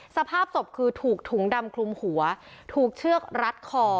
สภาพศพคือถูกถุงดำคลุมหัวถูกเชือกรัดคอ